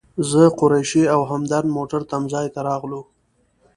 زه، قریشي او همدرد موټرو تم ځای ته راغلو.